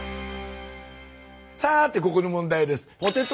さてここで問題です。